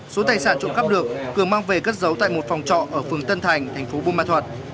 số tài sản trộm cắp được cường mang về cất giấu tại một phòng trọ ở phường tân thành thành phố buôn ma thuật